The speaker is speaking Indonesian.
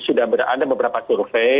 sudah ada beberapa survei